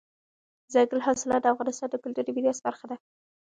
دځنګل حاصلات د افغانستان د کلتوري میراث برخه ده.